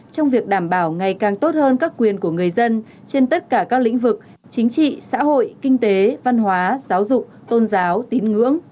trong việc đảm bảo ngày càng tốt hơn các quyền của người dân trên tất cả các lĩnh vực chính trị xã hội kinh tế văn hóa giáo dục tôn giáo tín ngưỡng